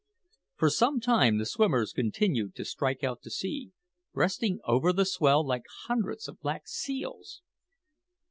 For some time the swimmers continued to strike out to sea, breasting over the swell like hundreds of black seals.